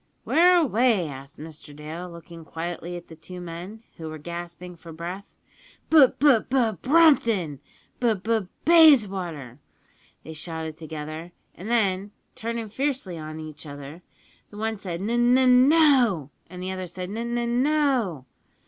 "`Where away?' asked Mr Dale, looking quietly at the two men, who were gasping for breath. "`B B B Brompton,' `B B B Bayswater!' they shouted together; and then, turnin' fiercely on each other, the one said `N N N No!' and the other said `N N N No!'